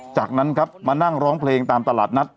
จากนั้นครับมานั่งร้องเพลงตามตลาดนัด